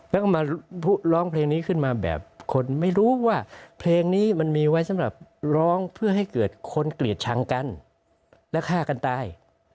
แล้วก็มาร้องเพลงนี้ขึ้นมาแบบคนไม่รู้ว่าเพลงนี้มันมีไว้สำหรับร้องเพื่อให้เกิดคนเกลียดชังกันและฆ่ากันตาย